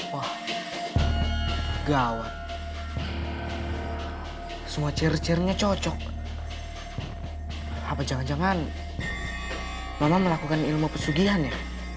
wah gawat semua chair chairnya cocok apa jangan jangan mama melakukan ilmu pesugihan ya